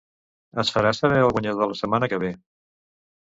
Es farà saber el guanyador la setmana que ve.